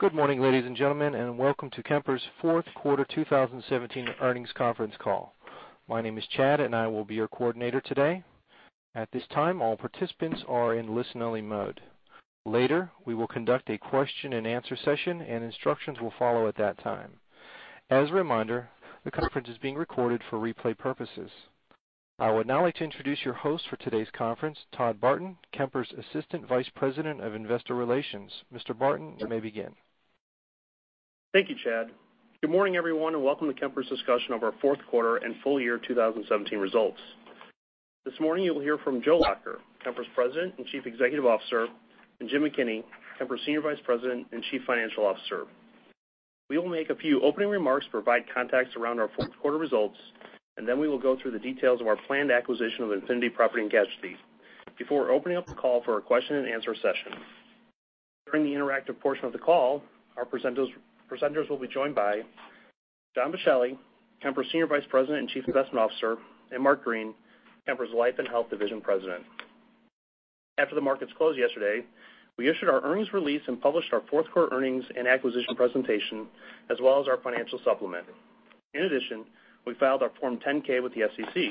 Good morning, ladies and gentlemen, welcome to Kemper's fourth quarter 2017 earnings conference call. My name is Chad, I will be your coordinator today. At this time, all participants are in listen-only mode. Later, we will conduct a question and answer session, instructions will follow at that time. As a reminder, the conference is being recorded for replay purposes. I would now like to introduce your host for today's conference, Todd Barton, Kemper's Assistant Vice President of Investor Relations. Mr. Barton, you may begin. Thank you, Chad. Good morning, everyone, welcome to Kemper's discussion of our fourth quarter and full year 2017 results. This morning, you will hear from Joe Lacher, Kemper's President and Chief Executive Officer, Jim McKinney, Kemper's Senior Vice President and Chief Financial Officer. We will make a few opening remarks, provide context around our fourth quarter results, then we will go through the details of our planned acquisition of Infinity Property and Casualty before opening up the call for a question and answer session. During the interactive portion of the call, our presenters will be joined by John Boschelli, Kemper's Senior Vice President and Chief Investment Officer, Mark Green, Kemper's Life and Health Division President. After the markets closed yesterday, we issued our earnings release and published our fourth quarter earnings and acquisition presentation, as well as our financial supplement. In addition, we filed our Form 10-K with the SEC.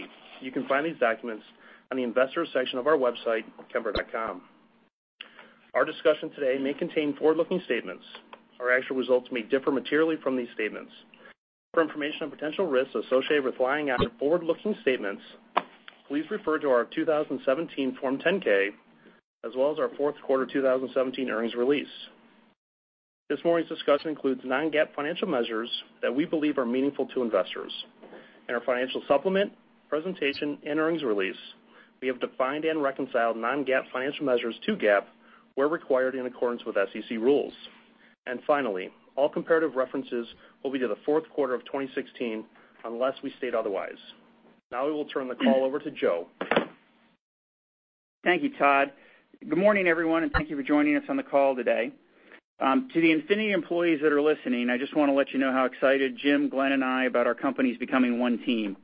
You can find these documents on the investors section of our website, kemper.com. Our discussion today may contain forward-looking statements. Our actual results may differ materially from these statements. For information on potential risks associated with relying on forward-looking statements, please refer to our 2017 Form 10-K, as well as our fourth quarter 2017 earnings release. This morning's discussion includes non-GAAP financial measures that we believe are meaningful to investors. In our financial supplement, presentation, and earnings release, we have defined and reconciled non-GAAP financial measures to GAAP, where required in accordance with SEC rules. Finally, all comparative references will be to the fourth quarter of 2016 unless we state otherwise. Now we will turn the call over to Joe. Thank you, Todd. Good morning, everyone, thank you for joining us on the call today. To the Infinity employees that are listening, I just want to let you know how excited Jim, Glenn Godwin, I about our companies becoming one team.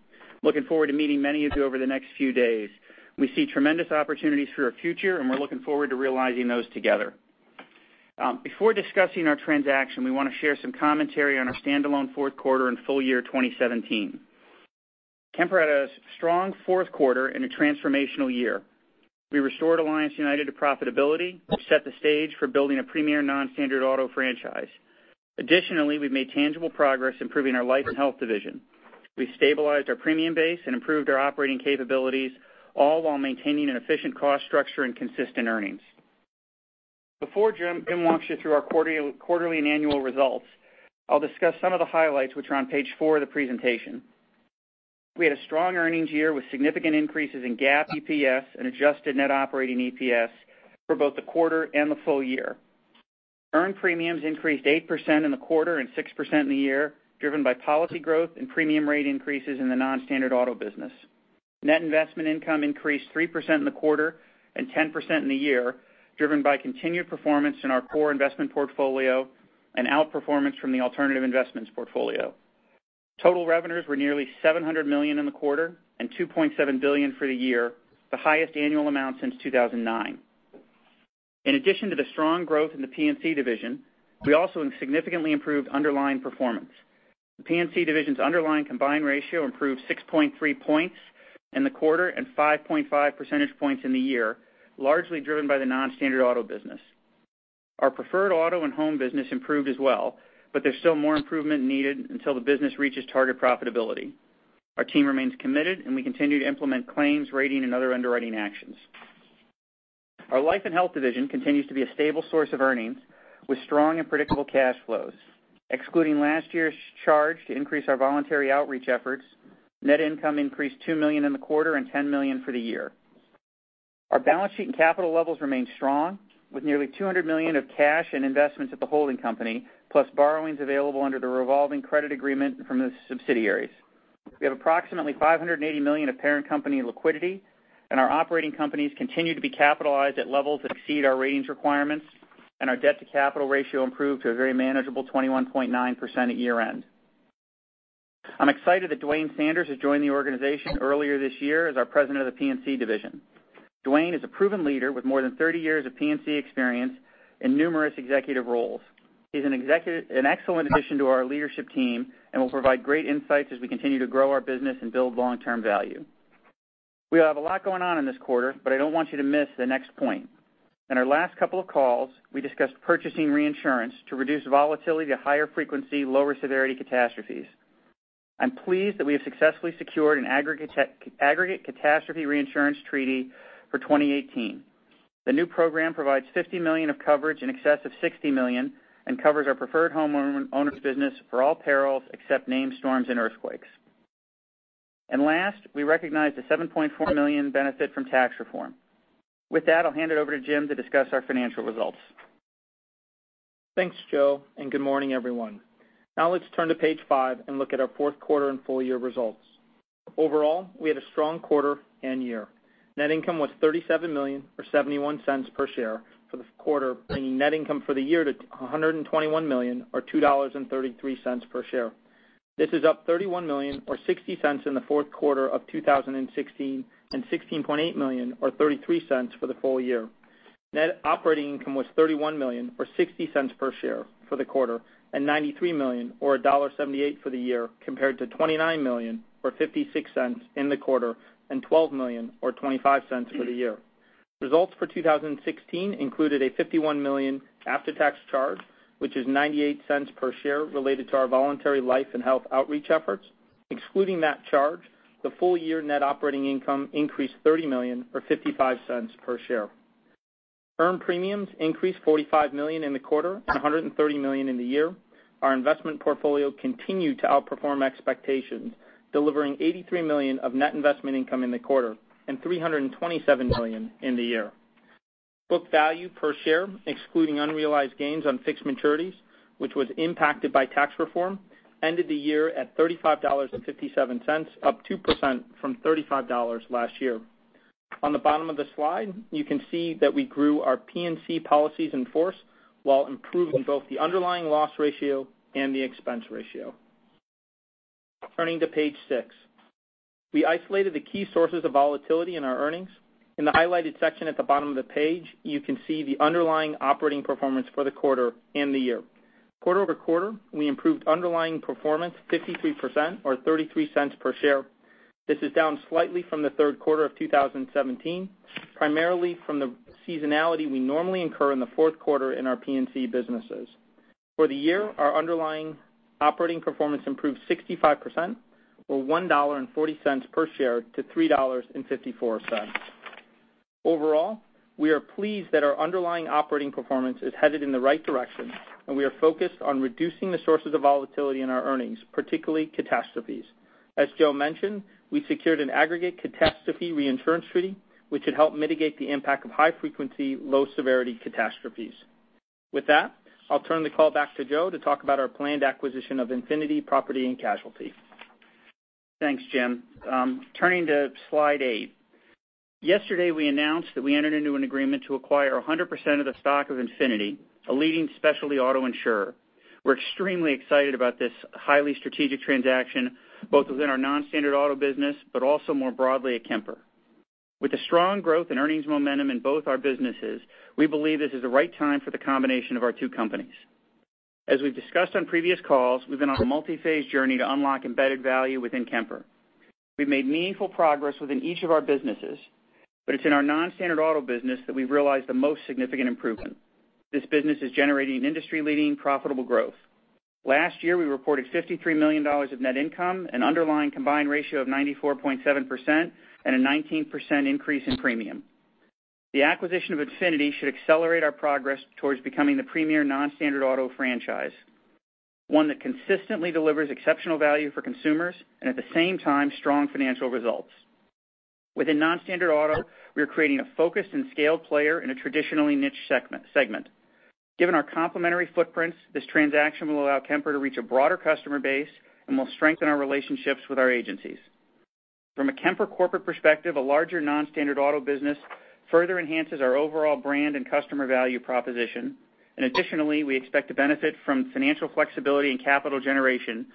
Looking forward to meeting many of you over the next few days. We see tremendous opportunities for our future, we're looking forward to realizing those together. Before discussing our transaction, we want to share some commentary on our standalone fourth quarter and full year 2017. Kemper had a strong fourth quarter and a transformational year. We restored Alliance United to profitability. We set the stage for building a premier non-standard auto franchise. Additionally, we've made tangible progress improving our life and health division. We've stabilized our premium base and improved our operating capabilities, all while maintaining an efficient cost structure and consistent earnings. Before Jim walks you through our quarterly and annual results, I'll discuss some of the highlights which are on page four of the presentation. We had a strong earnings year with significant increases in GAAP EPS and adjusted net operating EPS for both the quarter and the full year. Earned premiums increased 8% in the quarter and 6% in the year, driven by policy growth and premium rate increases in the non-standard auto business. Net investment income increased 3% in the quarter and 10% in the year, driven by continued performance in our core investment portfolio and outperformance from the alternative investments portfolio. Total revenues were nearly $700 million in the quarter and $2.7 billion for the year, the highest annual amount since 2009. In addition to the strong growth in the P&C division, we also significantly improved underlying performance. The P&C division's underlying combined ratio improved 6.3 points in the quarter and 5.5 percentage points in the year, largely driven by the non-standard auto business. Our preferred auto and home business improved as well, but there's still more improvement needed until the business reaches target profitability. Our team remains committed, and we continue to implement claims, rating, and other underwriting actions. Our life and health division continues to be a stable source of earnings, with strong and predictable cash flows. Excluding last year's charge to increase our voluntary outreach efforts, net income increased $2 million in the quarter and $10 million for the year. Our balance sheet and capital levels remain strong, with nearly $200 million of cash and investments at the holding company, plus borrowings available under the revolving credit agreement from the subsidiaries. We have approximately $580 million of parent company liquidity, and our operating companies continue to be capitalized at levels that exceed our ratings requirements. Our debt to capital ratio improved to a very manageable 21.9% at year-end. I'm excited that Duane Sanders has joined the organization earlier this year as our President of the P&C division. Dwayne is a proven leader with more than 30 years of P&C experience in numerous executive roles. He's an excellent addition to our leadership team and will provide great insights as we continue to grow our business and build long-term value. We have a lot going on in this quarter, but I don't want you to miss the next point. In our last couple of calls, we discussed purchasing reinsurance to reduce volatility to higher frequency, lower severity catastrophes. I'm pleased that we have successfully secured an aggregate catastrophe reinsurance treaty for 2018. The new program provides $50 million of coverage in excess of $60 million and covers our preferred homeowners business for all perils except named storms and earthquakes. Last, we recognized a $7.4 million benefit from tax reform. With that, I'll hand it over to Jim to discuss our financial results. Thanks, Joe, and good morning, everyone. Let's turn to page five and look at our fourth quarter and full year results. Overall, we had a strong quarter and year. Net income was $37 million or $0.71 per share for the quarter, bringing net income for the year to $121 million or $2.33 per share. This is up $31 million, or $0.60 in the fourth quarter of 2016, and $16.8 million, or $0.33 for the full year. Net operating income was $31 million or $0.60 per share for the quarter, and $93 million or $1.78 for the year, compared to $29 million or $0.56 in the quarter, and $12 million or $0.25 for the year. Results for 2016 included a $51 million after-tax charge, which is $0.98 per share related to our voluntary life and health outreach efforts. Excluding that charge, the full year net operating income increased $30 million or $0.55 per share. Earned premiums increased $45 million in the quarter and $130 million in the year. Our investment portfolio continued to outperform expectations, delivering $83 million of net investment income in the quarter, and $327 million in the year. Book value per share, excluding unrealized gains on fixed maturities, which was impacted by tax reform, ended the year at $35.57, up 2% from $35 last year. On the bottom of the slide, you can see that we grew our P&C policies in force while improving both the underlying loss ratio and the expense ratio. Turning to page six. We isolated the key sources of volatility in our earnings. In the highlighted section at the bottom of the page, you can see the underlying operating performance for the quarter and the year. Quarter-over-quarter, we improved underlying performance 53% or $0.33 per share. This is down slightly from the third quarter of 2017, primarily from the seasonality we normally incur in the fourth quarter in our P&C businesses. For the year, our underlying operating performance improved 65%, or $1.40 per share to $3.54. Overall, we are pleased that our underlying operating performance is headed in the right direction, and we are focused on reducing the sources of volatility in our earnings, particularly catastrophes. As Joe mentioned, we secured an aggregate catastrophe reinsurance treaty, which should help mitigate the impact of high frequency, low severity catastrophes. With that, I'll turn the call back to Joe to talk about our planned acquisition of Infinity Property and Casualty. Thanks, Jim. Turning to slide eight. Yesterday, we announced that we entered into an agreement to acquire 100% of the stock of Infinity, a leading specialty auto insurer. We're extremely excited about this highly strategic transaction, both within our non-standard auto business, but also more broadly at Kemper. With the strong growth in earnings momentum in both our businesses, we believe this is the right time for the combination of our two companies. As we've discussed on previous calls, we've been on a multi-phase journey to unlock embedded value within Kemper. We've made meaningful progress within each of our businesses, but it's in our non-standard auto business that we've realized the most significant improvement. This business is generating industry-leading profitable growth. Last year, we reported $53 million of net income and underlying combined ratio of 94.7% and a 19% increase in premium. The acquisition of Infinity should accelerate our progress towards becoming the premier non-standard auto franchise, one that consistently delivers exceptional value for consumers, and at the same time, strong financial results. Within non-standard auto, we are creating a focused and scaled player in a traditionally niche segment. Given our complementary footprints, this transaction will allow Kemper to reach a broader customer base and will strengthen our relationships with our agencies. From a Kemper corporate perspective, a larger non-standard auto business further enhances our overall brand and customer value proposition. Additionally, we expect to benefit from financial flexibility and capital generation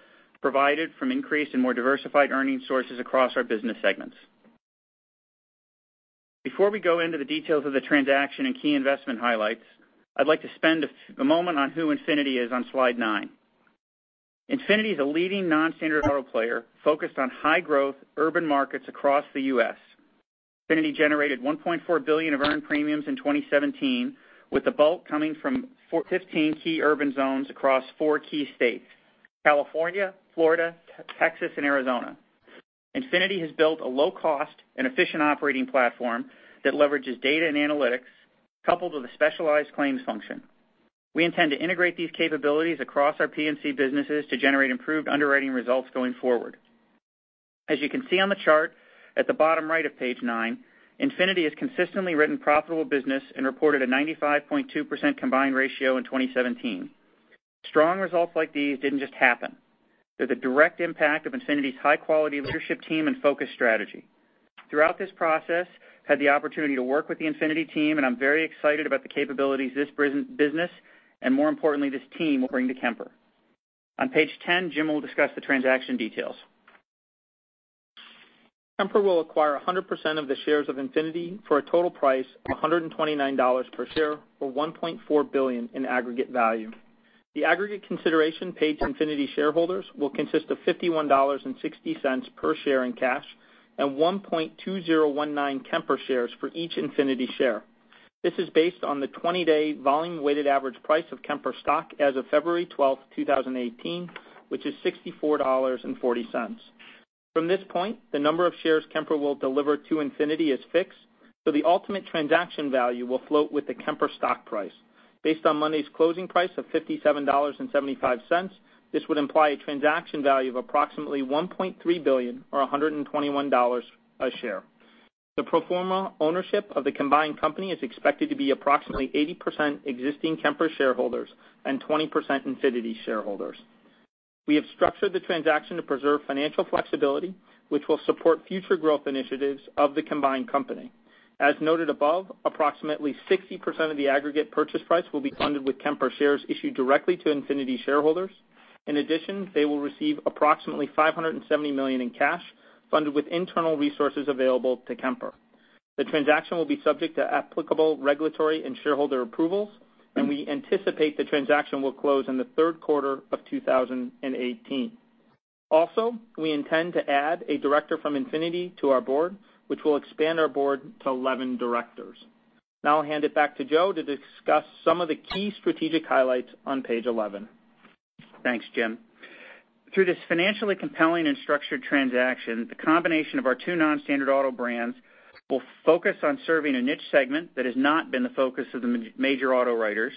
provided from increase in more diversified earning sources across our business segments. Before we go into the details of the transaction and key investment highlights, I'd like to spend a moment on who Infinity is on slide nine. Infinity is a leading non-standard auto player focused on high-growth urban markets across the U.S. Infinity generated $1.4 billion of earned premiums in 2017, with the bulk coming from 15 key urban zones across four key states: California, Florida, Texas, and Arizona. Infinity has built a low-cost and efficient operating platform that leverages data and analytics coupled with a specialized claims function. We intend to integrate these capabilities across our P&C businesses to generate improved underwriting results going forward. As you can see on the chart at the bottom right of page nine, Infinity has consistently written profitable business and reported a 95.2% combined ratio in 2017. Strong results like these didn't just happen. They're the direct impact of Infinity's high-quality leadership team and focused strategy. Throughout this process, I had the opportunity to work with the Infinity team, and I'm very excited about the capabilities this business, and more importantly, this team will bring to Kemper. On page 10, Jim will discuss the transaction details. Kemper will acquire 100% of the shares of Infinity for a total price of $129 per share, or $1.4 billion in aggregate value. The aggregate consideration paid to Infinity shareholders will consist of $51.60 per share in cash and 1.2019 Kemper shares for each Infinity share. This is based on the 20-day volume weighted average price of Kemper stock as of February 12th, 2018, which is $64.40. From this point, the number of shares Kemper will deliver to Infinity is fixed, so the ultimate transaction value will float with the Kemper stock price. Based on Monday's closing price of $57.75, this would imply a transaction value of approximately $1.3 billion or $121 a share. The pro forma ownership of the combined company is expected to be approximately 80% existing Kemper shareholders and 20% Infinity shareholders. We have structured the transaction to preserve financial flexibility, which will support future growth initiatives of the combined company. As noted above, approximately 60% of the aggregate purchase price will be funded with Kemper shares issued directly to Infinity shareholders. In addition, they will receive approximately $570 million in cash funded with internal resources available to Kemper. We anticipate the transaction will close in the third quarter of 2018. We intend to add a director from Infinity to our board, which will expand our board to 11 directors. Now I'll hand it back to Joe to discuss some of the key strategic highlights on page 11. Thanks, Jim. Through this financially compelling and structured transaction, the combination of our two non-standard auto brands will focus on serving a niche segment that has not been the focus of the major auto writers,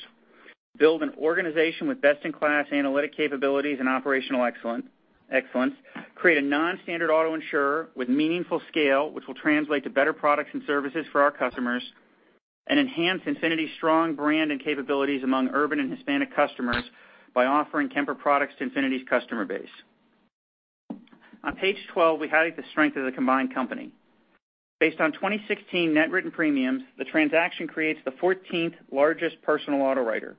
build an organization with best-in-class analytic capabilities and operational excellence, create a non-standard auto insurer with meaningful scale, which will translate to better products and services for our customers, and enhance Infinity's strong brand and capabilities among urban and Hispanic customers by offering Kemper products to Infinity's customer base. On page 12, we highlight the strength of the combined company. Based on 2016 net written premiums, the transaction creates the 14th largest personal auto writer.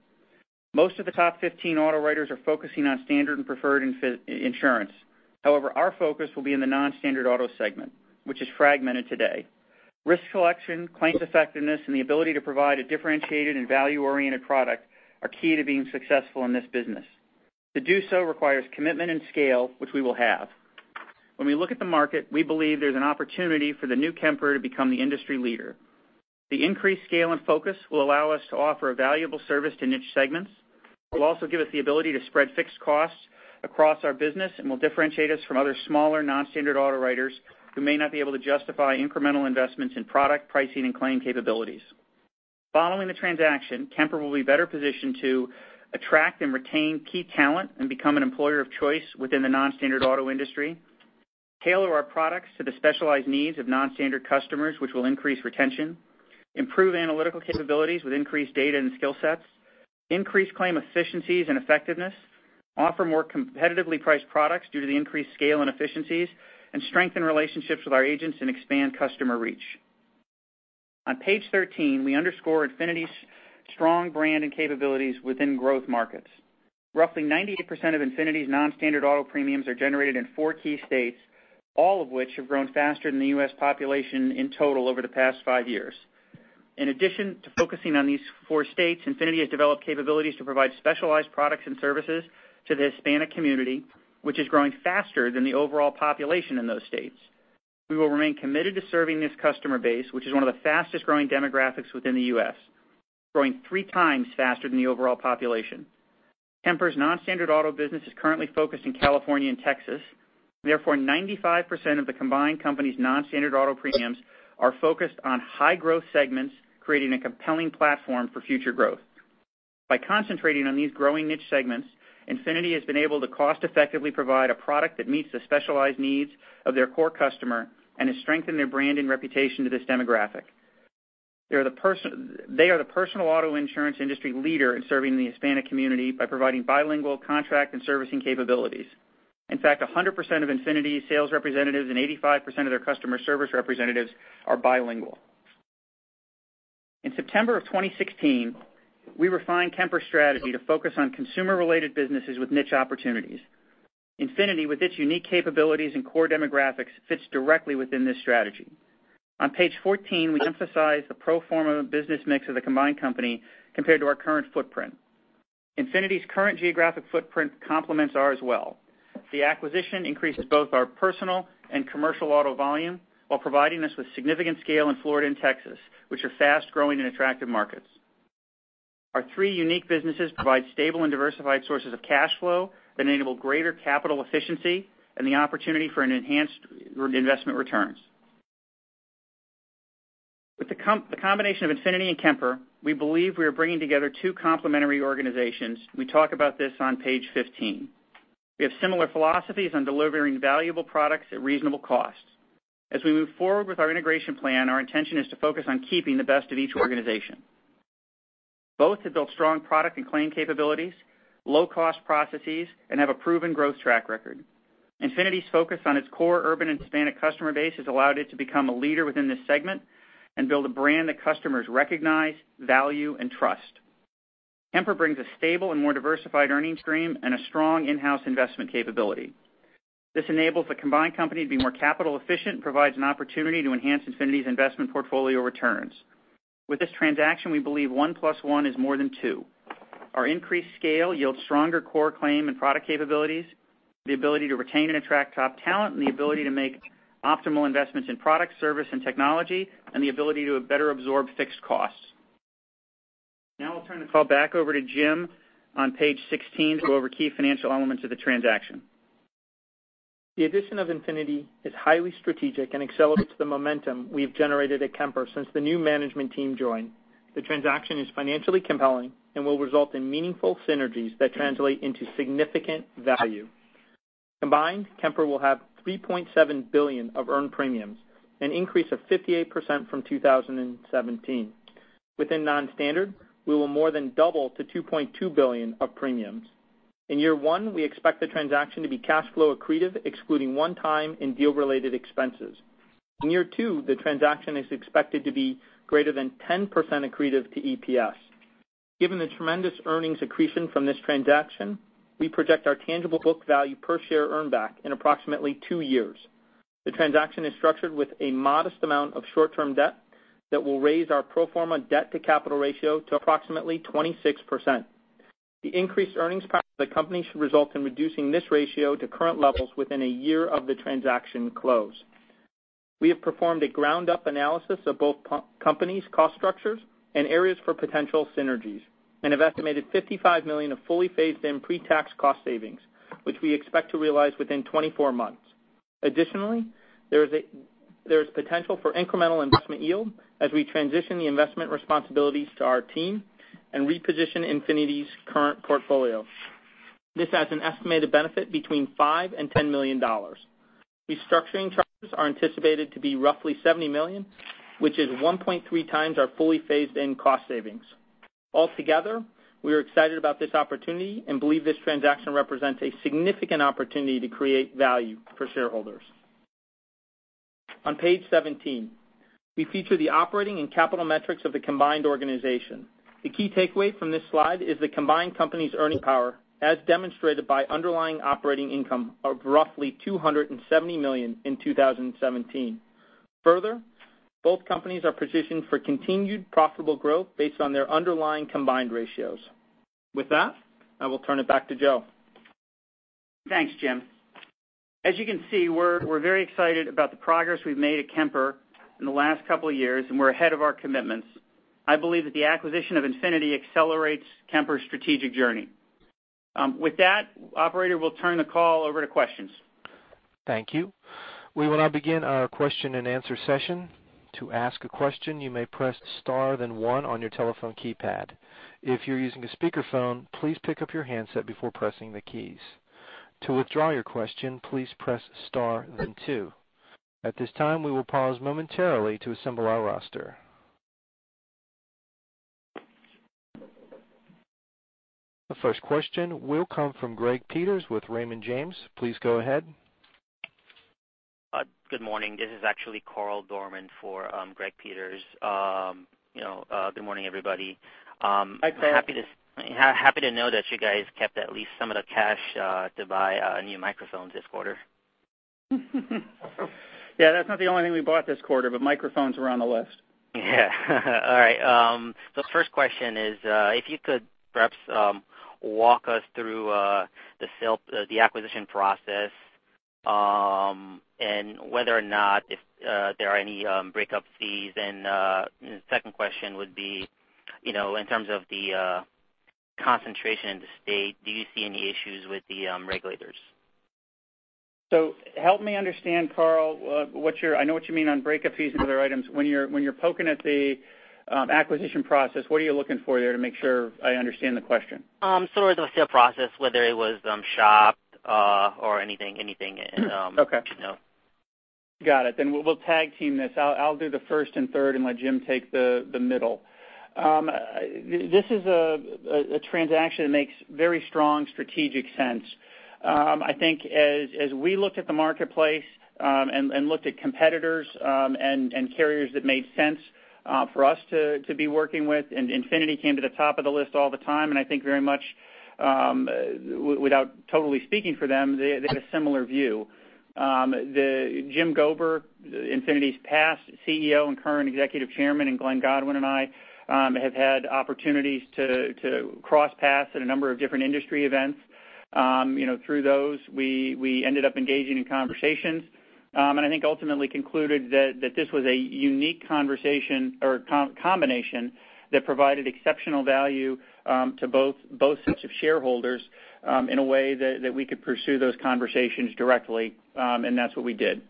Most of the top 15 auto writers are focusing on standard and preferred insurance. Our focus will be in the non-standard auto segment, which is fragmented today. Risk selection, claims effectiveness, and the ability to provide a differentiated and value-oriented product are key to being successful in this business. To do so requires commitment and scale, which we will have. When we look at the market, we believe there's an opportunity for the new Kemper to become the industry leader. The increased scale and focus will allow us to offer a valuable service to niche segments. It will also give us the ability to spread fixed costs across our business and will differentiate us from other smaller, non-standard auto writers who may not be able to justify incremental investments in product pricing and claim capabilities. Following the transaction, Kemper will be better positioned to attract and retain key talent and become an employer of choice within the non-standard auto industry, tailor our products to the specialized needs of non-standard customers, which will increase retention, improve analytical capabilities with increased data and skill sets, increase claim efficiencies and effectiveness, offer more competitively priced products due to the increased scale and efficiencies, and strengthen relationships with our agents and expand customer reach. On page 13, we underscore Infinity's strong brand and capabilities within growth markets. Roughly 98% of Infinity's non-standard auto premiums are generated in four key states, all of which have grown faster than the U.S. population in total over the past five years. In addition to focusing on these four states, Infinity has developed capabilities to provide specialized products and services to the Hispanic community, which is growing faster than the overall population in those states. We will remain committed to serving this customer base, which is one of the fastest-growing demographics within the U.S., growing three times faster than the overall population. Kemper's non-standard auto business is currently focused in California and Texas. Therefore, 95% of the combined company's non-standard auto premiums are focused on high growth segments, creating a compelling platform for future growth. By concentrating on these growing niche segments, Infinity has been able to cost effectively provide a product that meets the specialized needs of their core customer and has strengthened their brand and reputation to this demographic. They are the personal auto insurance industry leader in serving the Hispanic community by providing bilingual contract and servicing capabilities. In fact, 100% of Infinity sales representatives and 85% of their customer service representatives are bilingual. In September of 2016, we refined Kemper's strategy to focus on consumer-related businesses with niche opportunities. Infinity, with its unique capabilities and core demographics, fits directly within this strategy. On page 14, we emphasize the pro forma business mix of the combined company compared to our current footprint. Infinity's current geographic footprint complements ours well. The acquisition increases both our personal and commercial auto volume while providing us with significant scale in Florida and Texas, which are fast-growing and attractive markets. Our three unique businesses provide stable and diversified sources of cash flow that enable greater capital efficiency and the opportunity for enhanced investment returns. With the combination of Infinity and Kemper, we believe we are bringing together two complementary organizations. We talk about this on page 15. We have similar philosophies on delivering valuable products at reasonable costs. As we move forward with our integration plan, our intention is to focus on keeping the best of each organization. Both have built strong product and claim capabilities, low cost processes, and have a proven growth track record. Infinity's focus on its core urban and Hispanic customer base has allowed it to become a leader within this segment and build a brand that customers recognize, value, and trust. Kemper brings a stable and more diversified earnings stream and a strong in-house investment capability. This enables the combined company to be more capital efficient, provides an opportunity to enhance Infinity's investment portfolio returns. With this transaction, we believe one plus one is more than two. Our increased scale yields stronger core claim and product capabilities, the ability to retain and attract top talent, and the ability to make optimal investments in product, service, and technology, and the ability to better absorb fixed costs. Now I'll turn the call back over to Jim on page 16 to go over key financial elements of the transaction. The addition of Infinity is highly strategic and accelerates the momentum we've generated at Kemper since the new management team joined. The transaction is financially compelling and will result in meaningful synergies that translate into significant value. Combined, Kemper will have $3.7 billion of earned premiums, an increase of 58% from 2017. Within non-standard, we will more than double to $2.2 billion of premiums. In year one, we expect the transaction to be cash flow accretive, excluding one-time and deal-related expenses. In year two, the transaction is expected to be greater than 10% accretive to EPS. Given the tremendous earnings accretion from this transaction, we project our tangible book value per share earn back in approximately two years. The transaction is structured with a modest amount of short-term debt that will raise our pro forma debt to capital ratio to approximately 26%. The increased earnings power of the company should result in reducing this ratio to current levels within a year of the transaction close. We have performed a ground-up analysis of both companies' cost structures and areas for potential synergies and have estimated $55 million of fully phased-in pre-tax cost savings, which we expect to realize within 24 months. Additionally, there is potential for incremental investment yield as we transition the investment responsibilities to our team and reposition Infinity's current portfolio. This has an estimated benefit between $5 and $10 million. Restructuring charges are anticipated to be roughly $70 million, which is 1.3 times our fully phased-in cost savings. Altogether, we are excited about this opportunity and believe this transaction represents a significant opportunity to create value for shareholders. On page 17, we feature the operating and capital metrics of the combined organization. The key takeaway from this slide is the combined company's earning power, as demonstrated by underlying operating income of roughly $270 million in 2017. Further, both companies are positioned for continued profitable growth based on their underlying combined ratios. With that, I will turn it back to Joe. Thanks, Jim. As you can see, we're very excited about the progress we've made at Kemper in the last couple of years, and we're ahead of our commitments. I believe that the acquisition of Infinity accelerates Kemper's strategic journey. With that, operator, we'll turn the call over to questions. Thank you. We will now begin our question and answer session. To ask a question, you may press star then one on your telephone keypad. If you're using a speakerphone, please pick up your handset before pressing the keys. To withdraw your question, please press star then two. At this time, we will pause momentarily to assemble our roster. The first question will come from Gregory Peters with Raymond James. Please go ahead. Good morning. This is actually Carl Dorman for Gregory Peters. Good morning, everybody. Hi, Carl. Happy to know that you guys kept at least some of the cash to buy new microphones this quarter. That's not the only thing we bought this quarter, but microphones were on the list. All right. The first question is if you could perhaps walk us through the acquisition process and whether or not if there are any breakup fees. The second question would be, in terms of the concentration in the state, do you see any issues with the regulators? Help me understand, Carl. I know what you mean on breakup fees and other items. When you're poking at the acquisition process, what are you looking for there to make sure I understand the question? Sort of the sale process, whether it was shopped or anything. Okay. Got it. We'll tag team this. I'll do the first and third and let Jim take the middle. This is a transaction that makes very strong strategic sense. I think as we looked at the marketplace and looked at competitors and carriers that made sense for us to be working with, Infinity came to the top of the list all the time, and I think very much, without totally speaking for them, they had a similar view. Jim Gober, Infinity's past CEO and current executive chairman, and Glenn Godwin and I have had opportunities to cross paths at a number of different industry events. Through those, we ended up engaging in conversations. I think ultimately concluded that this was a unique conversation or combination that provided exceptional value to both sets of shareholders in a way that we could pursue those conversations directly. That's what we did.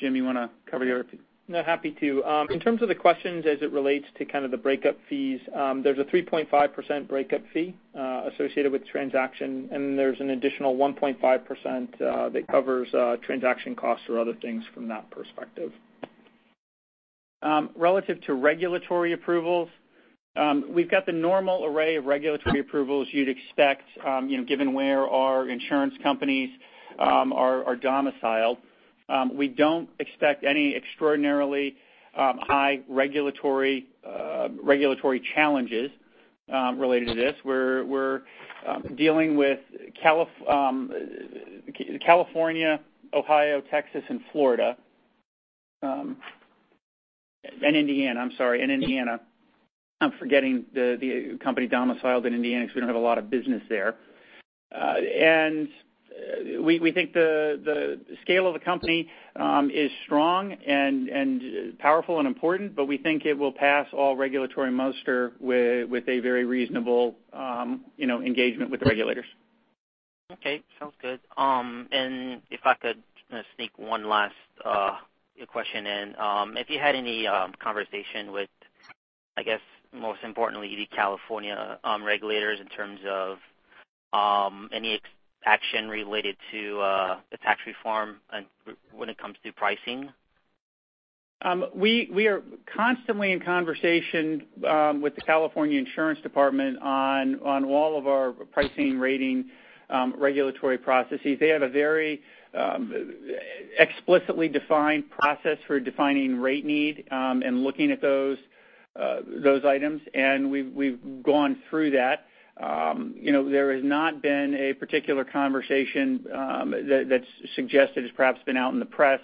Jim, you want to cover? No, happy to. In terms of the questions as it relates to kind of the breakup fees, there's a 3.5% breakup fee associated with the transaction, and there's an additional 1.5% that covers transaction costs or other things from that perspective. Relative to regulatory approvals, we've got the normal array of regulatory approvals you'd expect given where our insurance companies are domiciled. We don't expect any extraordinarily high regulatory challenges related to this. We're dealing with California, Ohio, Texas, and Florida. Indiana, I'm sorry. I'm forgetting the company domiciled in Indiana because we don't have a lot of business there. We think the scale of the company is strong and powerful and important, but we think it will pass all regulatory muster with a very reasonable engagement with the regulators. Okay, sounds good. If I could sneak one last question in. If you had any conversation with, I guess, most importantly, the California regulators in terms of any action related to the tax reform when it comes to pricing? We are constantly in conversation with the California Department of Insurance on all of our pricing rating regulatory processes. They have a very explicitly defined process for defining rate need, and looking at those items. We've gone through that. There has not been a particular conversation that's suggested, as perhaps been out in the press,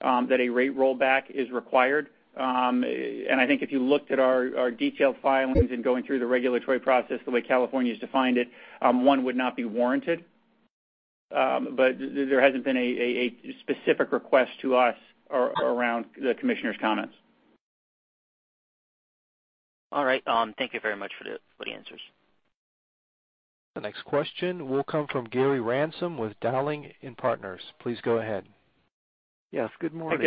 that a rate rollback is required. I think if you looked at our detailed filings in going through the regulatory process the way California's defined it, one would not be warranted. There hasn't been a specific request to us around the commissioner's comments. All right. Thank you very much for the answers. The next question will come from Gary Ransom with Dowling & Partners. Please go ahead. Yes, good morning. Hi,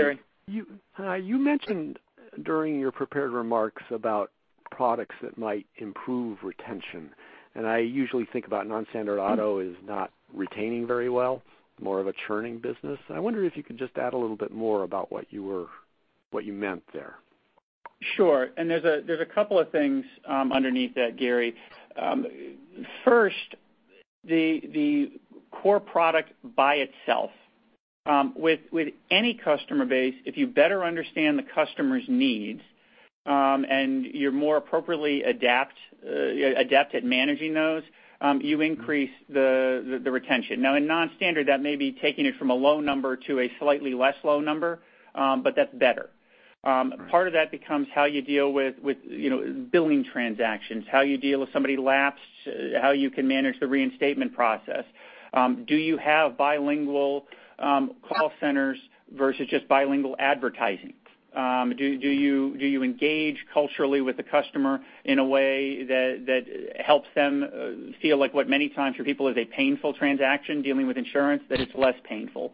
Gary. You mentioned during your prepared remarks about products that might improve retention. I usually think about non-standard auto as not retaining very well, more of a churning business. I wonder if you could just add a little bit more about what you meant there. Sure, there's a couple of things underneath that, Gary. First, the core product by itself. With any customer base, if you better understand the customer's needs, and you're more appropriately adept at managing those, you increase the retention. Now in non-standard, that may be taking it from a low number to a slightly less low number, but that's better. Right. Part of that becomes how you deal with billing transactions, how you deal with somebody lapsed, how you can manage the reinstatement process. Do you have bilingual call centers versus just bilingual advertising? Do you engage culturally with the customer in a way that helps them feel like what many times for people is a painful transaction, dealing with insurance, that it's less painful?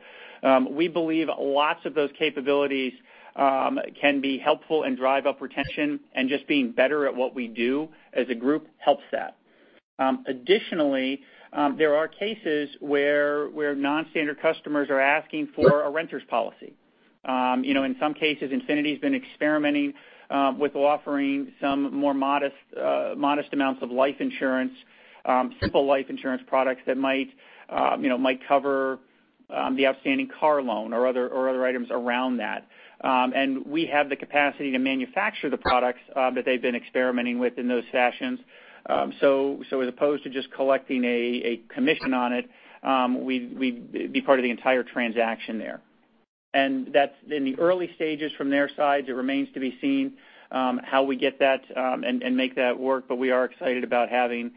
We believe lots of those capabilities can be helpful and drive up retention. Just being better at what we do as a group helps that. Additionally, there are cases where non-standard customers are asking for a renter's policy. In some cases, Infinity's been experimenting with offering some more modest amounts of life insurance, simple life insurance products that might cover the outstanding car loan or other items around that. We have the capacity to manufacture the products that they've been experimenting with in those fashions. As opposed to just collecting a commission on it, we'd be part of the entire transaction there. That's in the early stages from their side. It remains to be seen how we get that and make that work, but we are excited about having,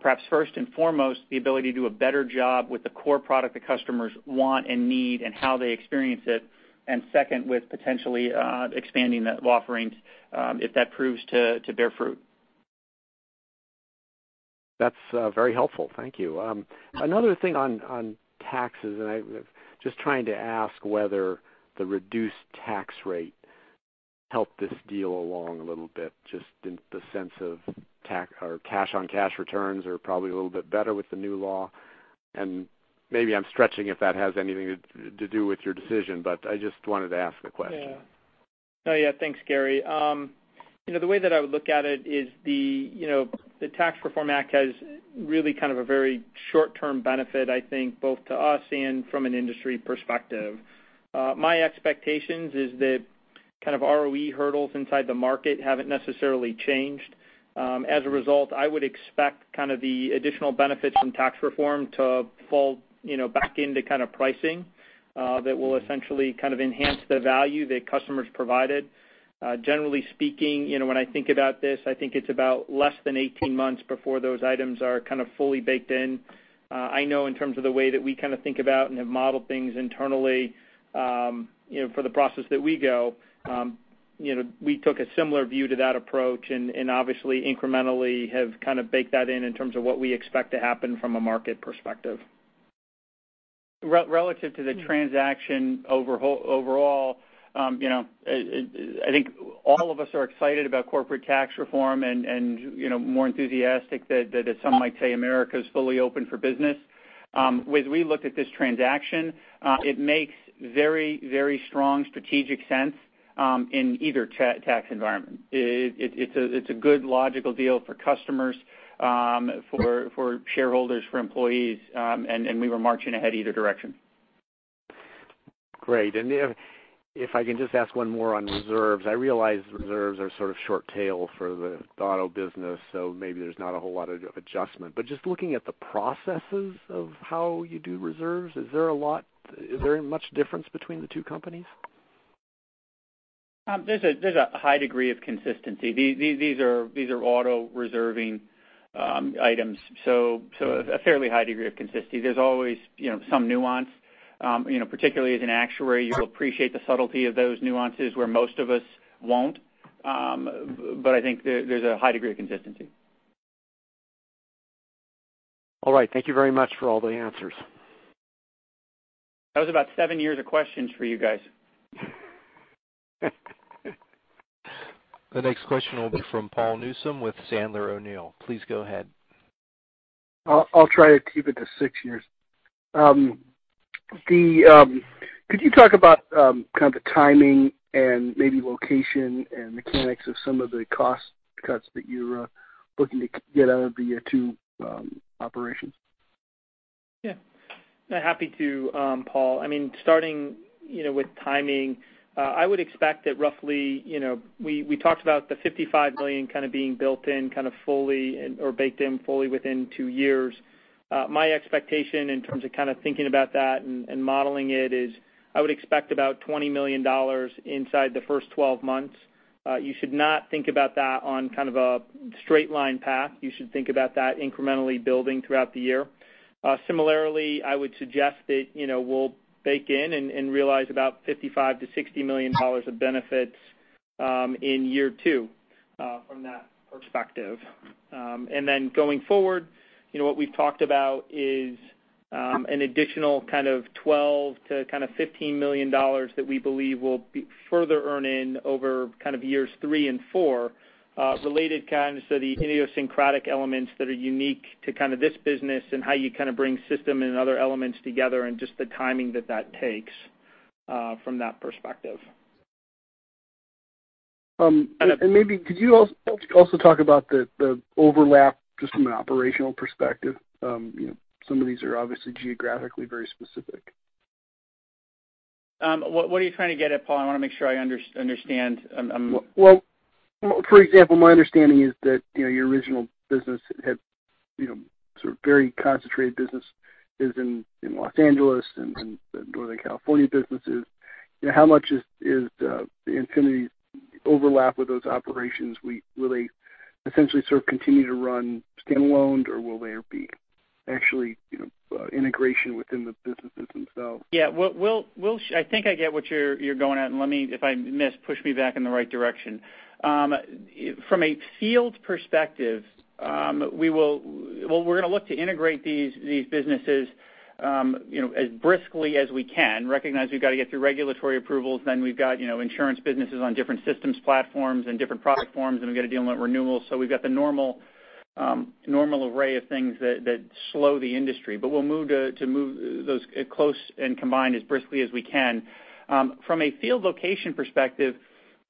perhaps first and foremost, the ability to do a better job with the core product the customers want and need and how they experience it, and second, with potentially expanding that offering, if that proves to bear fruit. That's very helpful. Thank you. Another thing on taxes, I'm just trying to ask whether the reduced tax rate helped this deal along a little bit, just in the sense of cash on cash returns are probably a little bit better with the new law. Maybe I'm stretching if that has anything to do with your decision, but I just wanted to ask the question. Yeah. Thanks, Gary. The way that I would look at it is the Tax Reform Act has really a very short-term benefit, I think, both to us and from an industry perspective. My expectations is that kind of ROE hurdles inside the market haven't necessarily changed. As a result, I would expect the additional benefits from tax reform to fall back into pricing, that will essentially enhance the value that customers provided. Generally speaking, when I think about this, I think it's about less than 18 months before those items are fully baked in. I know in terms of the way that we think about and have modeled things internally, for the process that we go, we took a similar view to that approach, and obviously incrementally have baked that in in terms of what we expect to happen from a market perspective. Relative to the transaction overall, I think all of us are excited about corporate tax reform and more enthusiastic that as some might say, America's fully open for business. As we looked at this transaction, it makes very strong strategic sense, in either tax environment. It's a good logical deal for customers, for shareholders, for employees, and we were marching ahead either direction. Great. If I can just ask one more on reserves. I realize reserves are sort of short tail for the auto business, so maybe there's not a whole lot of adjustment. Just looking at the processes of how you do reserves, is there much difference between the two companies? There's a high degree of consistency. These are auto reserving items, so a fairly high degree of consistency. There's always some nuance. Particularly as an actuary, you'll appreciate the subtlety of those nuances where most of us won't. I think there's a high degree of consistency. All right. Thank you very much for all the answers. That was about seven years of questions for you guys. The next question will be from Paul Newsome with Sandler O'Neill. Please go ahead. I'll try to keep it to six years. Could you talk about kind of the timing and maybe location and mechanics of some of the cost cuts that you're looking to get out of the year two operations? Yeah. Happy to, Paul. Starting with timing, I would expect that roughly, we talked about the $55 million kind of being built in kind of fully or baked in fully within two years. My expectation in terms of kind of thinking about that and modeling it is I would expect about $20 million inside the first 12 months. You should not think about that on kind of a straight line path. You should think about that incrementally building throughout the year. Similarly, I would suggest that we'll bake in and realize about $55 million-$60 million of benefits in year two from that perspective. Going forward, what we've talked about is an additional kind of $12 million-$15 million that we believe we'll further earn in over kind of years three and four related to the idiosyncratic elements that are unique to this business and how you kind of bring system and other elements together and just the timing that takes from that perspective. Maybe could you also talk about the overlap just from an operational perspective? Some of these are obviously geographically very specific. What are you trying to get at, Paul? I want to make sure I understand. Well, for example, my understanding is that your original business had sort of very concentrated businesses in L.A. and Northern California businesses. How much is the Infinity overlap with those operations? Will they essentially sort of continue to run standalone, or will there be actually integration within the businesses themselves? Yeah. I think I get what you're going at. Let me, if I miss, push me back in the right direction. From a field perspective, we're going to look to integrate these businesses as briskly as we can, recognize we've got to get through regulatory approvals. We've got insurance businesses on different systems platforms and different product forms, and we've got to deal with renewals. We've got the normal array of things that slow the industry. We'll move those close and combine as briskly as we can. From a field location perspective,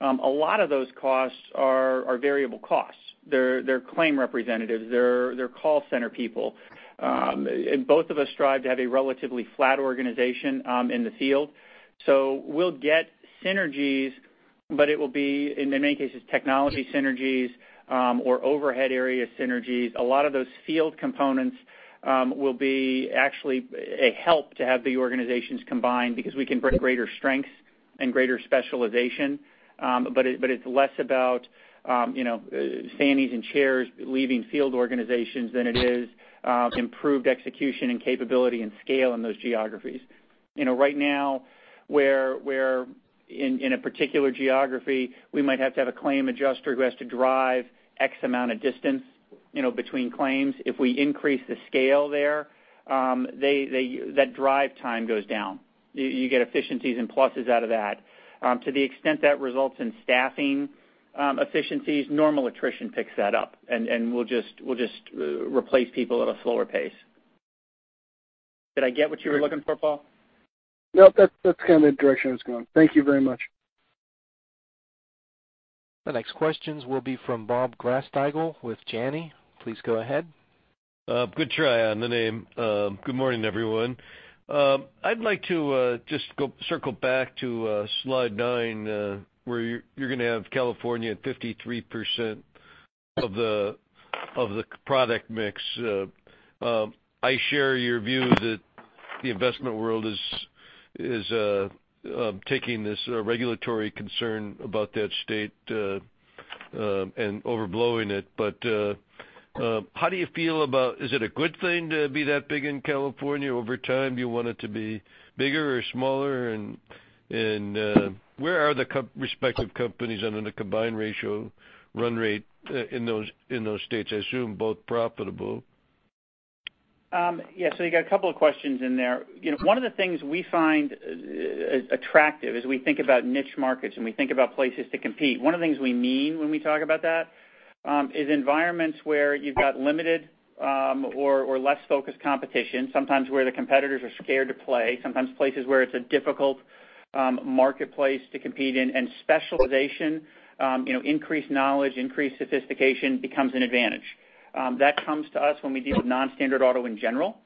a lot of those costs are variable costs. They're claim representatives. They're call center people. Both of us strive to have a relatively flat organization in the field. We'll get synergies, but it will be, in many cases, technology synergies or overhead area synergies. A lot of those field components will be actually a help to have the organizations combined because we can bring greater strengths and greater specialization. It's less about salaries and chairs leaving field organizations than it is improved execution and capability and scale in those geographies. Right now, where in a particular geography, we might have to have a claim adjuster who has to drive X amount of distance between claims. If we increase the scale there, that drive time goes down. You get efficiencies and pluses out of that. To the extent that results in staffing efficiencies, normal attrition picks that up, and we'll just replace people at a slower pace. Did I get what you were looking for, Paul? No, that's kind of the direction I was going. Thank you very much. The next questions will be from Bob Glasspiegel with Janney. Please go ahead. Good try on the name. Good morning, everyone. I'd like to just circle back to slide nine, where you're going to have California at 53% of the product mix. I share your view that the investment world is taking this regulatory concern about that state and overblowing it. How do you feel about, is it a good thing to be that big in California over time? Do you want it to be bigger or smaller? Where are the respective companies under the combined ratio run rate in those states? I assume both profitable. Yeah. You got a couple of questions in there. One of the things we find attractive as we think about niche markets and we think about places to compete, one of the things we mean when we talk about that is environments where you've got limited or less focused competition, sometimes where the competitors are scared to play, sometimes places where it's a difficult marketplace to compete in, and specialization, increased knowledge, increased sophistication becomes an advantage. That comes to us when we deal with non-standard auto in general.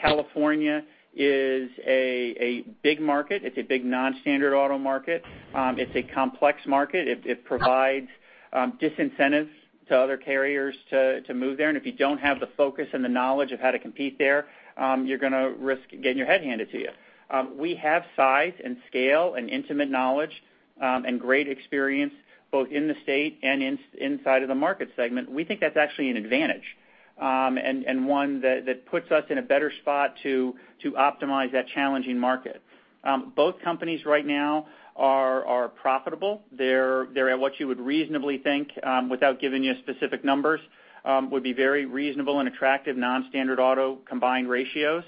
California is a big market. It's a big non-standard auto market. It's a complex market. It provides disincentives to other carriers to move there. If you don't have the focus and the knowledge of how to compete there, you're going to risk getting your head handed to you. We have size and scale and intimate knowledge and great experience both in the state and inside of the market segment. We think that's actually an advantage, and one that puts us in a better spot to optimize that challenging market. Both companies right now are profitable. They're at what you would reasonably think, without giving you specific numbers, would be very reasonable and attractive non-standard auto combined ratios.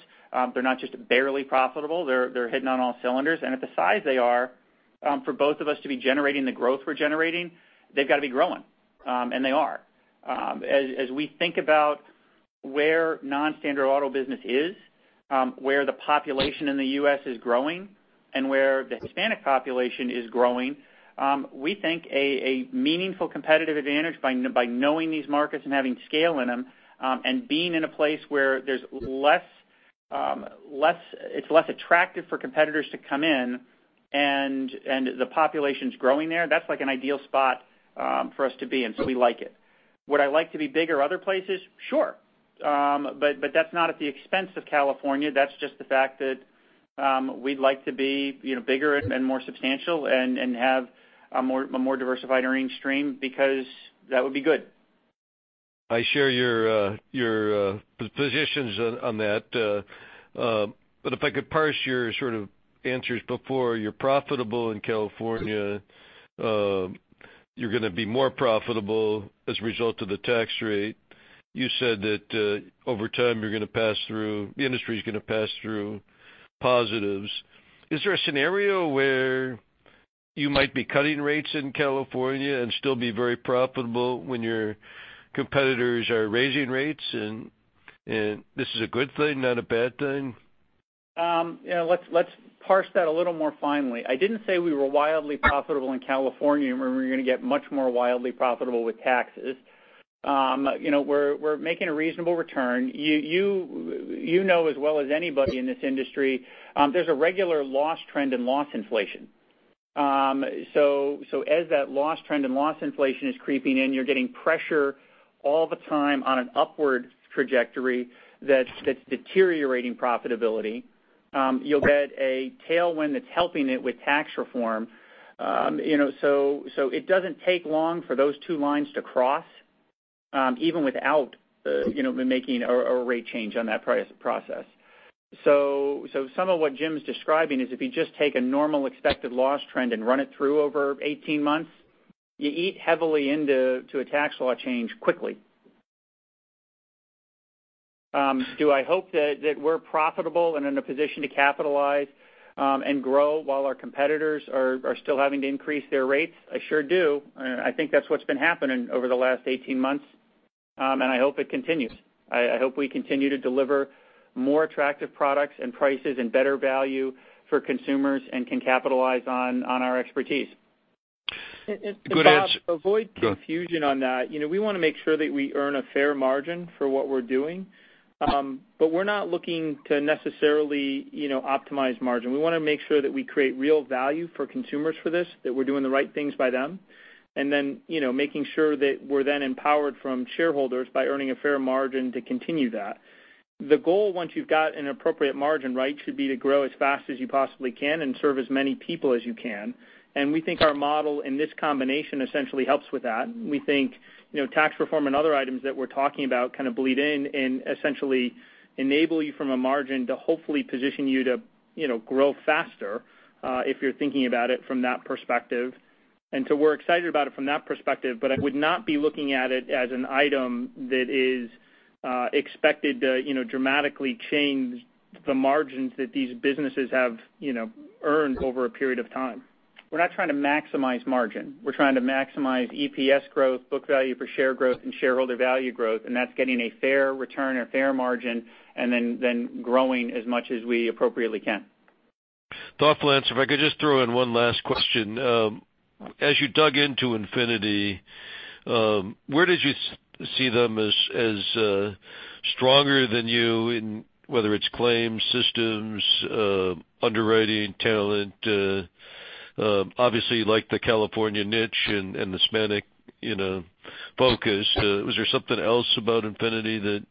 They're not just barely profitable. They're hitting on all cylinders. At the size they are, for both of us to be generating the growth we're generating, they've got to be growing, and they are. As we think about Where non-standard auto business is, where the population in the U.S. is growing, and where the Hispanic population is growing, we think a meaningful competitive advantage by knowing these markets and having scale in them, and being in a place where it's less attractive for competitors to come in, and the population's growing there, that's an ideal spot for us to be in, so we like it. Would I like to be big in other places? Sure. That's not at the expense of California. That's just the fact that we'd like to be bigger and more substantial and have a more diversified earnings stream because that would be good. I share your positions on that. If I could parse your answers before, you're profitable in California. You're going to be more profitable as a result of the tax rate. You said that over time, the industry's going to pass through positives. Is there a scenario where you might be cutting rates in California and still be very profitable when your competitors are raising rates, and this is a good thing, not a bad thing? Let's parse that a little more finely. I didn't say we were wildly profitable in California, and we're going to get much more wildly profitable with taxes. We're making a reasonable return. You know as well as anybody in this industry, there's a regular loss trend and loss inflation. As that loss trend and loss inflation is creeping in, you're getting pressure all the time on an upward trajectory that's deteriorating profitability. You'll get a tailwind that's helping it with tax reform. It doesn't take long for those two lines to cross, even without making a rate change on that process. Some of what Jim's describing is if you just take a normal expected loss trend and run it through over 18 months, you eat heavily into a tax law change quickly. Do I hope that we're profitable and in a position to capitalize and grow while our competitors are still having to increase their rates? I sure do. I think that's what's been happening over the last 18 months, and I hope it continues. I hope we continue to deliver more attractive products and prices and better value for consumers and can capitalize on our expertise. Good answer. To avoid confusion on that, we want to make sure that we earn a fair margin for what we're doing. We're not looking to necessarily optimize margin. We want to make sure that we create real value for consumers for this, that we're doing the right things by them, and then making sure that we're then empowered from shareholders by earning a fair margin to continue that. The goal, once you've got an appropriate margin should be to grow as fast as you possibly can and serve as many people as you can. We think our model in this combination essentially helps with that. We think tax reform and other items that we're talking about kind of bleed in and essentially enable you from a margin to hopefully position you to grow faster, if you're thinking about it from that perspective. We're excited about it from that perspective, but I would not be looking at it as an item that is expected to dramatically change the margins that these businesses have earned over a period of time. We're not trying to maximize margin. We're trying to maximize EPS growth, book value per share growth, and shareholder value growth. That's getting a fair return, a fair margin, and then growing as much as we appropriately can. Thoughtful answer. I could just throw in one last question. As you dug into Infinity, where did you see them as stronger than you in whether it's claims, systems, underwriting talent? You like the California niche and the Hispanic focus. Was there something else about Infinity that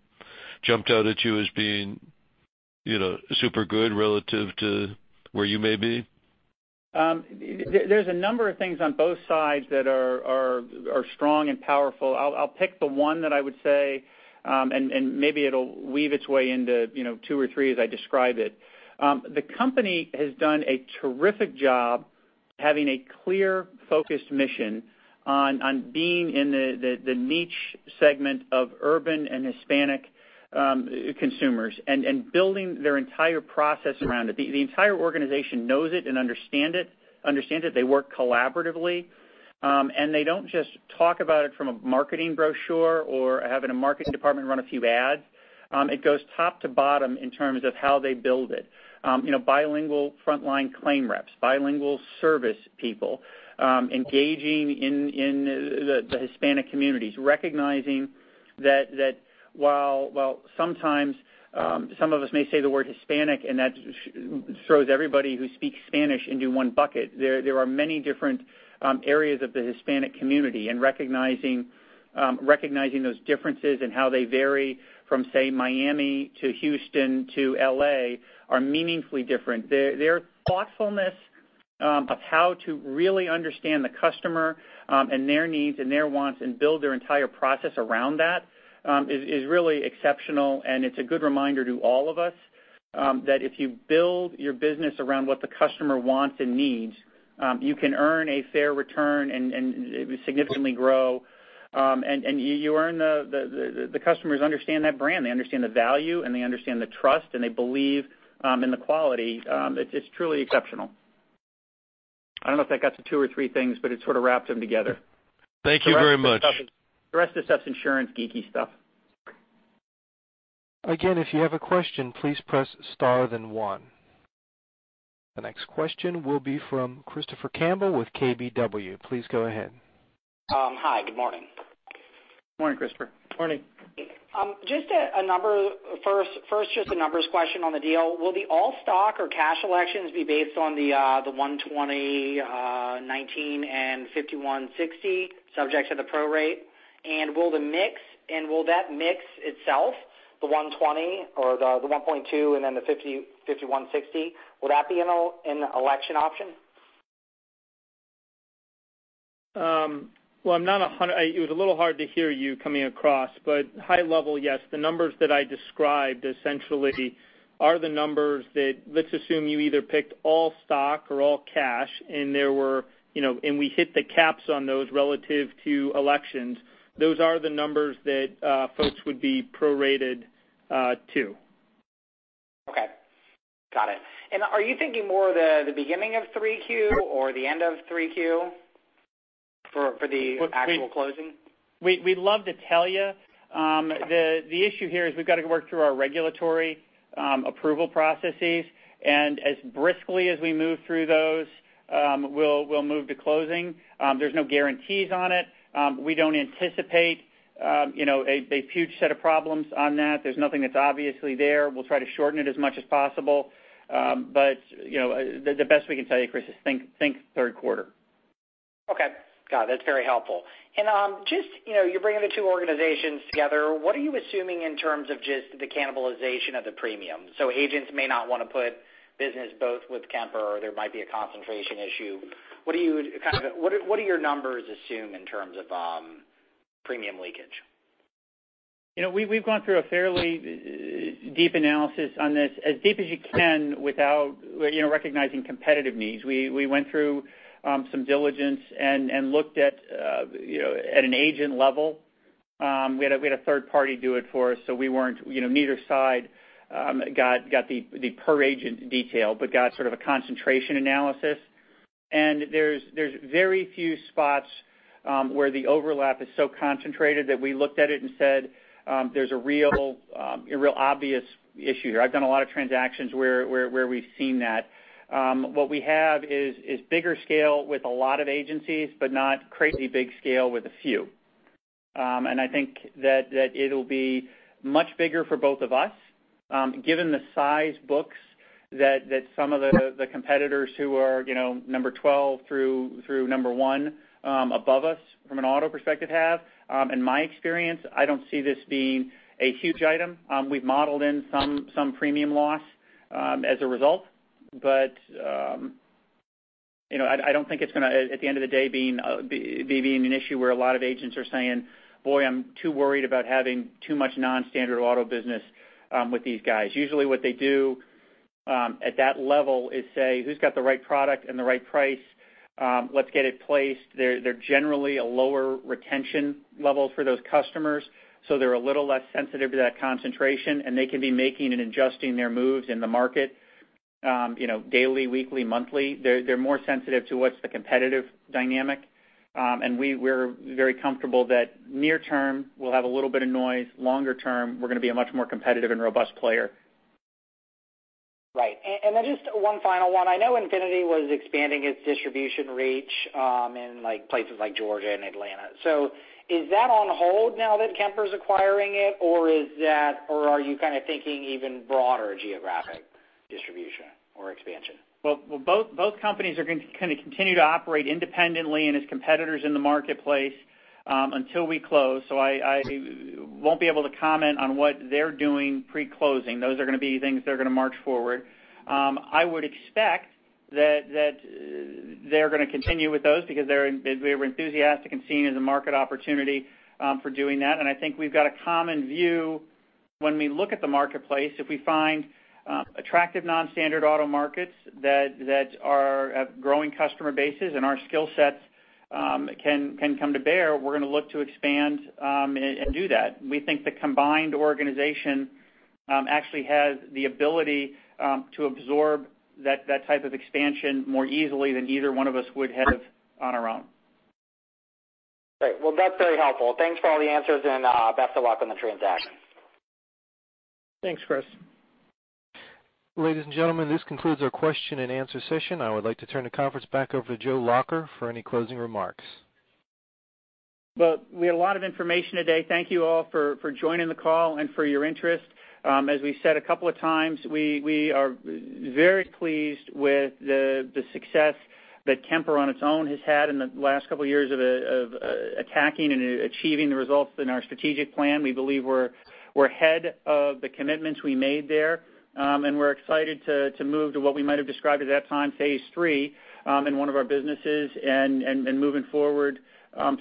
jumped out at you as being super good relative to where you may be? There's a number of things on both sides that are strong and powerful. I'll pick the one that I would say, and maybe it'll weave its way into two or three as I describe it. The company has done a terrific job having a clear, focused mission on being in the niche segment of urban and Hispanic consumers, and building their entire process around it. The entire organization knows it and understands it. They work collaboratively. They don't just talk about it from a marketing brochure or having a marketing department run a few ads. It goes top to bottom in terms of how they build it. Bilingual frontline claim reps, bilingual service people engaging in the Hispanic communities, recognizing that while sometimes some of us may say the word Hispanic, and that throws everybody who speaks Spanish into one bucket, there are many different areas of the Hispanic community. Recognizing those differences in how they vary from, say, Miami to Houston to L.A. are meaningfully different. Their thoughtfulness of how to really understand the customer and their needs and their wants and build their entire process around that is really exceptional, and it's a good reminder to all of us that if you build your business around what the customer wants and needs, you can earn a fair return and significantly grow. The customers understand that brand. They understand the value, and they understand the trust, and they believe in the quality. It's truly exceptional. I don't know if that got to two or three things. It sort of wrapped them together. Thank you very much. The rest of the stuff is insurance geeky stuff. Again, if you have a question, please press star then one. The next question will be from Christopher Campbell with KBW. Please go ahead. Hi, good morning. Morning, Christopher. Morning. Just first, a numbers question on the deal. Will the all stock or cash elections be based on the 120.19, and $51.60 subject to the prorate? Will that mix itself, the 1.2 and then the $51.60, will that be an election option? It was a little hard to hear you coming across, but high level, yes. The numbers that I described essentially are the numbers that, let's assume you either picked all stock or all cash, and we hit the caps on those relative to elections. Those are the numbers that folks would be prorated to. Okay. Got it. Are you thinking more the beginning of 3Q or the end of 3Q for the actual closing? We'd love to tell you. The issue here is we've got to work through our regulatory approval processes, and as briskly as we move through those, we'll move to closing. There's no guarantees on it. We don't anticipate a huge set of problems on that. There's nothing that's obviously there. We'll try to shorten it as much as possible. The best we can tell you, Chris, is think third quarter. Okay. Got it. That's very helpful. You're bringing the two organizations together, what are you assuming in terms of just the cannibalization of the premium? Agents may not want to put business both with Kemper, or there might be a concentration issue. What do your numbers assume in terms of premium leakage? We've gone through a fairly deep analysis on this, as deep as you can without recognizing competitive needs. We went through some diligence and looked at an agent level. We had a third party do it for us, so neither side got the per agent detail, but got sort of a concentration analysis. There's very few spots where the overlap is so concentrated that we looked at it and said, there's a real obvious issue here. I've done a lot of transactions where we've seen that. What we have is bigger scale with a lot of agencies, but not crazy big scale with a few. I think that it'll be much bigger for both of us given the size books that some of the competitors who are number 12 through number 1 above us from an auto perspective have. In my experience, I don't see this being a huge item. We've modeled in some premium loss as a result, but I don't think it's going to, at the end of the day, be an issue where a lot of agents are saying, "Boy, I'm too worried about having too much non-standard auto business with these guys." Usually what they do at that level is say, who's got the right product and the right price? Let's get it placed. They're generally a lower retention level for those customers, so they're a little less sensitive to that concentration, and they can be making and adjusting their moves in the market daily, weekly, monthly. They're more sensitive to what's the competitive dynamic. We're very comfortable that near term, we'll have a little bit of noise. Longer term, we're going to be a much more competitive and robust player. Right. Just one final one. I know Infinity was expanding its distribution reach in places like Georgia and Atlanta. Is that on hold now that Kemper's acquiring it, or are you kind of thinking even broader geographic distribution or expansion? Well, both companies are going to continue to operate independently and as competitors in the marketplace until we close. I won't be able to comment on what they're doing pre-closing. Those are going to be things that are going to march forward. I would expect that they're going to continue with those because they were enthusiastic and seeing as a market opportunity for doing that. I think we've got a common view when we look at the marketplace, if we find attractive non-standard auto markets that are growing customer bases and our skill sets can come to bear, we're going to look to expand and do that. We think the combined organization actually has the ability to absorb that type of expansion more easily than either one of us would have on our own. Great. Well, that's very helpful. Thanks for all the answers and best of luck on the transaction. Thanks, Chris. Ladies and gentlemen, this concludes our question and answer session. I would like to turn the conference back over to Joe Lacher for any closing remarks. Well, we had a lot of information today. Thank you all for joining the call and for your interest. As we said a couple of times, we are very pleased with the success that Kemper on its own has had in the last couple of years of attacking and achieving the results in our strategic plan. We believe we're ahead of the commitments we made there. We're excited to move to what we might have described at that time, phase 3 in one of our businesses, and moving forward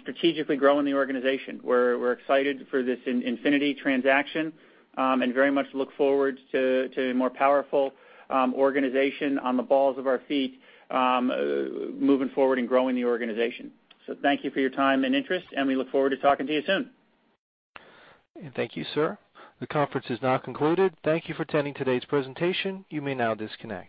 strategically growing the organization. We're excited for this Infinity transaction, and very much look forward to a more powerful organization on the balls of our feet, moving forward and growing the organization. Thank you for your time and interest, and we look forward to talking to you soon. Thank you, sir. The conference is now concluded. Thank you for attending today's presentation. You may now disconnect.